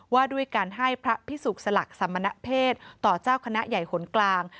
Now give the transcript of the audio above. ว่าด้วยการให้พระพิสุกสลักสมณเพศต่อเจ้าคณะใหญ่หนกลาง